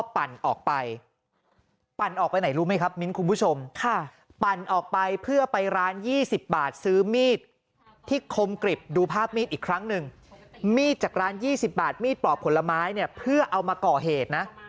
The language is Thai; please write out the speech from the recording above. ปั่นออกไปปั่นออกไปไหนรู้ไหมครับมิ้นคุณผู้ชมปั่นออกไปเพื่อไปร้าน๒๐บาทซื้อมีดที่คมกริบดูภาพมีดอีกครั้งหนึ่งมีดจากร้าน๒๐บาทมีดปลอกผลไม้เนี่ยเพื่อเอามาก่อเหตุนะ